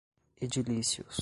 edilícios